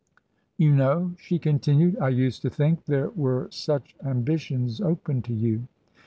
" You know," she continued, " I used to think there were such ambitions open to you."